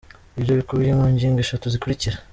Ibyo bikubiye mu ngingo eshatu zikurikira.